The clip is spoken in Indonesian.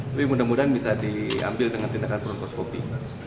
tapi mudah mudahan bisa diambil dengan tindakan provoscopy